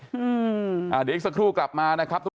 เดี๋ยวอีกสักครู่กลับมานะครับ